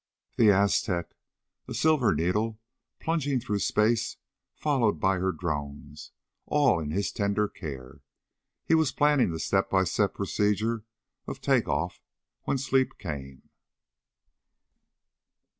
_ The Aztec, a silver needle plunging through space followed by her drones, all in his tender care. He was planning the step by step procedure of take off when sleep came.